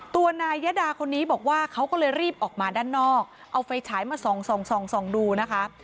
ตัวนายยดาคนนี้บอกว่าเขาก็เลยรีบออกมาด้านนอกเอาไฟฉายมาส่องส่องดูนะคะ